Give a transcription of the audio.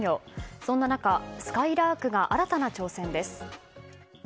そんな中、すかいらーくが新たな挑戦です。